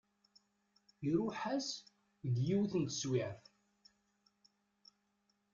Iruḥ-as deg yiwet n teswiɛt.